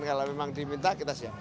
kalau memang diminta kita siap